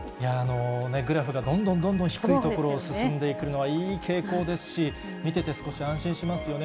グラフがどんどんどんどん低いところを進んでいくのはいい傾向ですし、見てて少し安心しますよね。